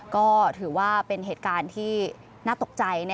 ก็ถือว่าเป็นเหตุการณ์ที่น่าตกใจ